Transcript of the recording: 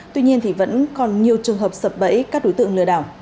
tuy nhiên thì vẫn còn nhiều trường hợp sập bẫy các đối tượng lừa đảo